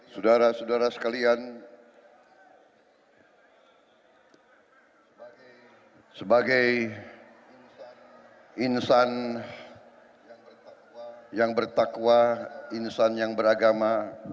saudara saudara sekalian sebagai insan yang bertakwa insan yang beragama